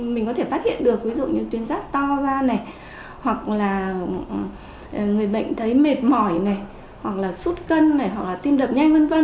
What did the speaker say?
mình có thể phát hiện được ví dụ như tuyến giáp to ra hoặc là người bệnh thấy mệt mỏi hoặc là sút cân hoặc là tim đập nhanh v v